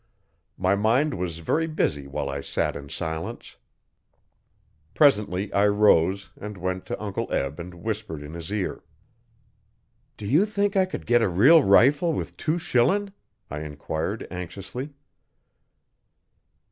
My mind was very busy while I sat in silence. Presently I rose and went to Uncle Eb and whispered in his ear. 'Do you think I could get a real rifle with two shilin'?' I enquired anxiously.